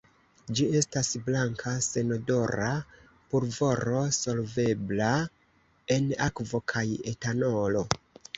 Ĝi estas blanka senodora pulvoro solvebla en akvo kaj etanolo.